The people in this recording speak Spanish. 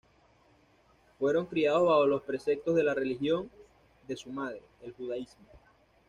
Fueron criados bajo los preceptos de la religión de su madre, el judaísmo.